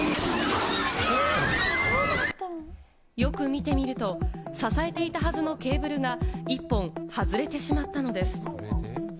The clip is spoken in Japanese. よく見てみると、支えていたはずのケーブルが１本外れてしまったのです。